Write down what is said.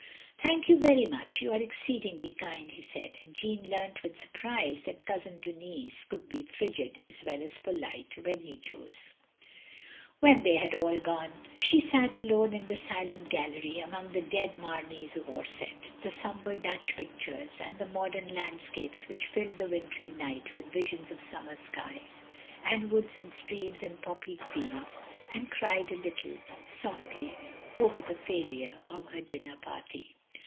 "Thank you very much. You are exceedingly kind," he said, and Jeanne leamt with surprise that Cousin Denis could be frigid as well as polite when he chose. 228 THE LONELY LADY When they had all gone, she sat alone in the silent gallery, among the dead Mameys of Orsett, the sombre Dutch pictures, and the modem landscapes which filled the wintry night with visions of summer skies, and woods and streams and poppied fields — and cried a little, softly, over the failure of her dinner party.